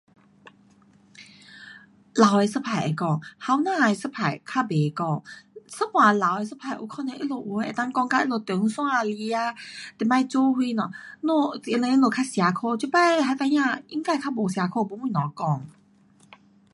老的一派会说，年轻的一派较不说。一半老的一派有可能他们能够讲到他们唐山来啦，以前做什么，他们较吃苦。